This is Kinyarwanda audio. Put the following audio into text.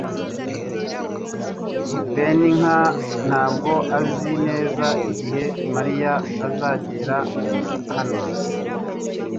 Beninka ntabwo azi neza igihe Mariya azagera hano .